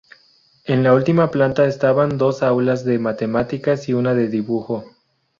En la última planta estaban dos aula de matemáticas y una de dibujo.